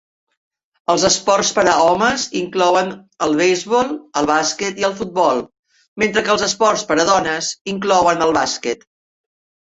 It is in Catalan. Els esports per a homes inclouen el beisbol, el bàsquet i el futbol; mentre que els esports per a dones inclouen el bàsquet.